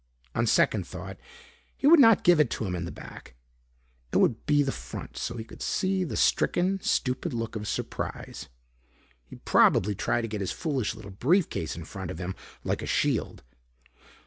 On second thought, he would not give it to him in the back. It would be the front so he could see the stricken stupid look of surprise. He'd probably try to get his foolish little briefcase in front of him like a shield.